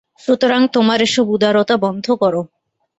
সুতরাং তোমার এসব উদারতা বন্ধ কর।